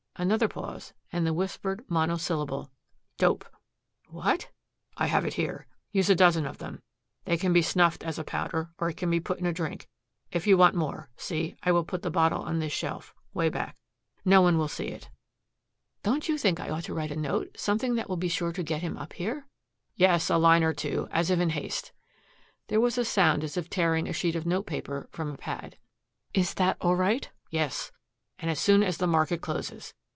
Another pause and the whispered monosyllable, "Dope!" "What?" "I have it here. Use a dozen of them. They can be snuffed as a powder, or it can be put in a drink. If you want more see, I will put the bottle on this shelf 'way back. No one will see it." "Don't you think I ought to write a note, something that will be sure to get him up here?" "Yes just a line or two as if in haste." There was a sound as if of tearing a sheet of note paper from a pad. "Is that all right?" "Yes. As soon as the market closes.